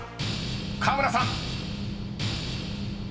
［河村さん］